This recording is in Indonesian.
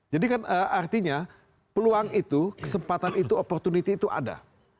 jadi kan artinya peluang itu kesempatan itu opportunity itu ada